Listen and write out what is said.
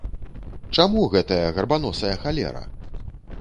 Чаму гэтая гарбаносая халера?